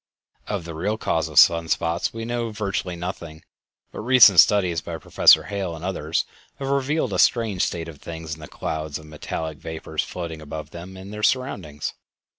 Of the real cause of sun spots we know virtually nothing, but recent studies by Professor Hale and others have revealed a strange state of things in the clouds of metallic vapors floating above them and their surroundings.